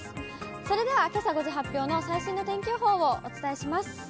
それでは、けさ５時発表の最新の天気予報をお伝えします。